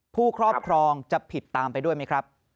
ครอบครองจะผิดตามไปด้วยไหมครับ